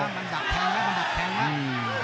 มันดักแทงแล้วมันดักแทงนะ